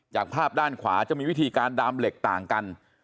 จากภาพด้านขวาจะมีวิธีการดามเหล็กต่างกัน